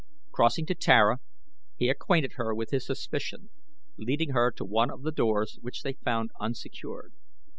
Crossing to Tara he acquainted her with his suspicion, leading her to one of the doors which they found unsecured.